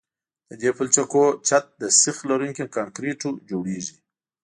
د دې پلچکونو چت له سیخ لرونکي کانکریټو جوړیږي